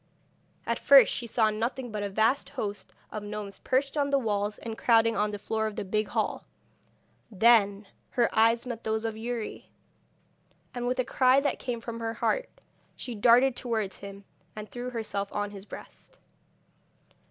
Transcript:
At first she saw nothing but a vast host of gnomes perched on the walls and crowding on the floor of the big hall. Then her eyes met those of Youri, and with a cry that came from her heart she darted towards him, and threw herself on his breast.